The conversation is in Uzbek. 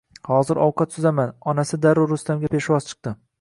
Hozir ovqat suzaman, onasi darrov Rustamga peshvoz chiqdi